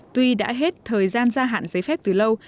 tuy đã hết thời gian gia hạn giấy phép từ lâu